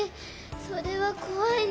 それはこわいね。